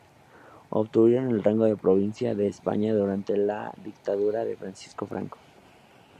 Obtuvieron el rango de provincia de España durante la dictadura de Francisco Franco.